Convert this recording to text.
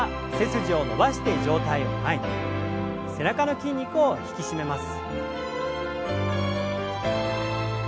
背中の筋肉を引き締めます。